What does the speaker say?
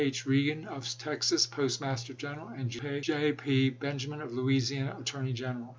H. Reagan, of Texas, Post master General ; and J. P. Benjamin, of Louisiana, Attorney General.